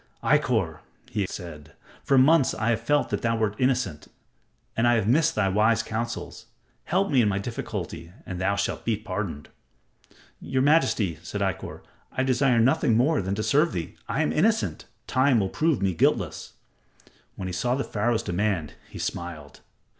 "Ikkor," he said, "for months have I felt that thou wert innocent, and I have missed thy wise counsels. Help me in my difficulty and thou shalt be pardoned." "Your majesty," said Ikkor, "I desire nothing more than to serve thee. I am innocent. Time will prove me guiltless." When he saw Pharaoh's demand, he smiled.